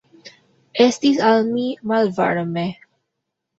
Estis al mi malvarme.